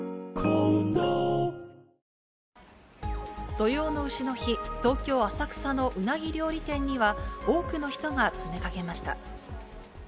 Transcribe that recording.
土用のうしの日、東京・浅草のうなぎ料理店には、多くの人が詰めかけました。